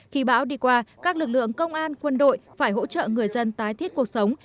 khi bão đi qua các lực lượng công an quân đội phải hỗ trợ người dân tái thiết cuộc sống